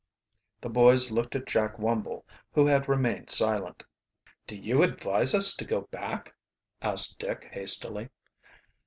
The boys looked at Jack Wumble, who had remained silent. "Do you advise us to go back?" asked Dick hastily.